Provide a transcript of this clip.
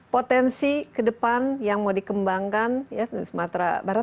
potensi ke depan yang mau dikembangkan di sumatera barat